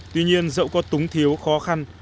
tuy nhiên dẫu có túng thiếu khó khăn